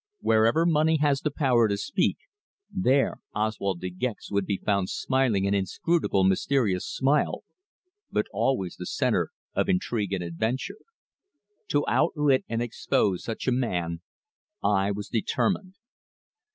Wherever money has the power to speak there Oswald De Gex would be found smiling an inscrutable mysterious smile, but always the centre of intrigue and adventure. To outwit and expose such a man I was determined.